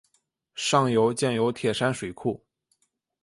上游建有铁山水库。